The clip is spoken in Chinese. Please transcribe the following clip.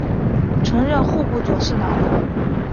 曾任户部左侍郎。